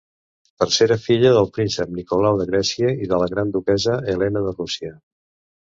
Tercera filla del príncep Nicolau de Grècia i de la gran duquessa Helena de Rússia.